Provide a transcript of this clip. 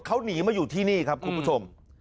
เขาหนีมาอยู่ที่นี่ครับคุณผู้ชม